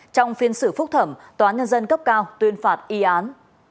trong phiên xử phúc thẩm tòa nhân dân cấp cao tuyên phạt y án